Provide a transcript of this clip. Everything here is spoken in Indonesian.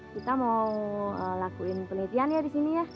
kita mau lakuin penelitian ya disini ya